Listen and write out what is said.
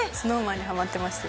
ＳｎｏｗＭａｎにハマってます。